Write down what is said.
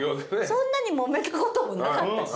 そんなにもめたこともなかったし。